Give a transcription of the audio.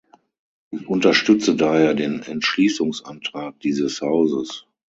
Ich unterstütze daher den Entschließungsantrag diese Hauses.